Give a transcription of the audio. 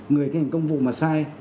người thi hành công vụ mà sai